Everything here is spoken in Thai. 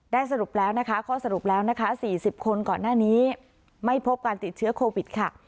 สรุปแล้วนะคะข้อสรุปแล้วนะคะ๔๐คนก่อนหน้านี้ไม่พบการติดเชื้อโควิดค่ะ